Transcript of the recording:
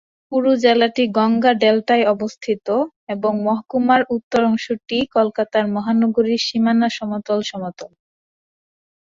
পুরো জেলাটি গঙ্গা ডেল্টায় অবস্থিত এবং মহকুমার উত্তর অংশটি কলকাতার মহানগরীর সীমানা সমতল সমতল।